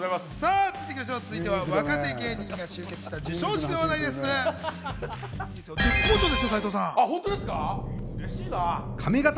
続いては若手芸人が集結した授賞式の話題です。